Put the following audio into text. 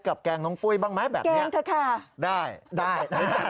กับแกงน้องปุ้ยบ้างไหมแบบนี้